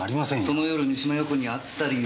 その夜三島陽子に会ったりは？